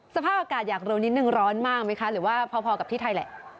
สภาพอากาศอยากรู้นิดนึงร้อนมากไหมคะหรือว่าพอกับที่ไทยแหละ